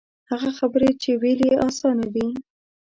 هغه خبرې چې ویل یې آسان وي.